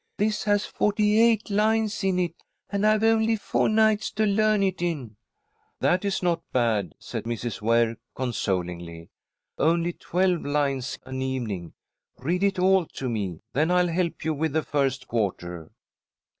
This has forty eight lines in it, and I've only four nights to learn it in." "That is not bad," said Mrs. Ware, consolingly. "Only twelve lines an evening. Read it all to me, then I'll help you with the first quarter."